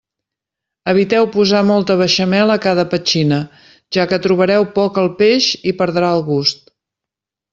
Eviteu posar molta beixamel a cada petxina, ja que trobareu poc el peix i perdrà el gust.